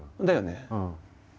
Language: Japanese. だよね？